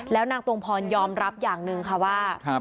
แล้วนางตรงพรยอมรับอย่างหนึ่งค่ะว่า